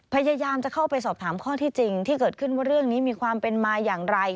พยายามจะเข้าไปสอบถามข้อที่จริงที่เกิดขึ้นว่าเรื่องนี้มีความเป็นมาอย่างไร